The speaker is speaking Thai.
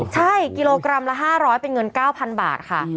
ใช่กิโลกรัมละ๕๐๐เป็นเงิน๙๐๐บาทค่ะ